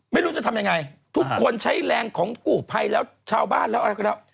ไม่รู้จะทำยังไงทุกคนใช้แรงของกู้ภัยแล้วชาวบ้านแล้วอะไรก็แล้ว